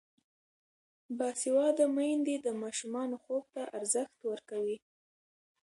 باسواده میندې د ماشومانو خوب ته ارزښت ورکوي.